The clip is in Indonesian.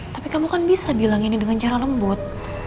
tapi kamu kan bisa bilang ini dengan cara lembut